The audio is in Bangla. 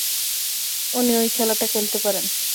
উনি ওই খেলাটা খেলতে পারেন।